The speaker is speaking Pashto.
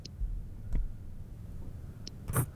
چې په زړه کې یې د حرمینو لیدلو هیله نه وي.